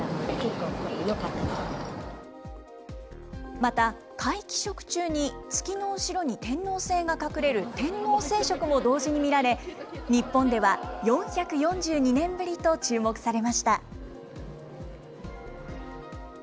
また、皆既食中に月の後ろに天王星が隠れる天王星食も同時に見られ、日本では４４２年ぶりと注目されました。